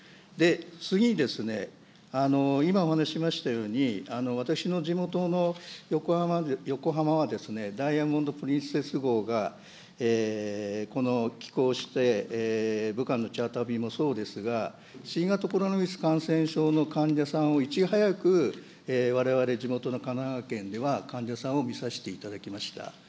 次に、今、お話ししましたように、私の地元の横浜は、ダイヤモンド・プリンセス号がこの寄港して、武漢のチャーター便もそうですが、新型コロナウイルス感染症の患者さんが、いち早くわれわれ、地元の神奈川県では、患者さんを診させていただきました。